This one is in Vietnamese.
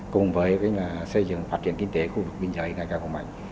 cùng với xây dựng phát triển kinh tế khu vực biên giới ngày càng vững mạnh